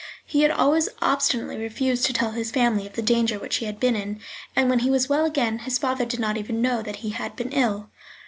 He had always obstinately refused to tell his family of the danger which he had been in, and when he was well again his father did not even know that he had been ill.